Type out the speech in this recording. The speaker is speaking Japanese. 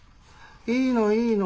いいのいいの。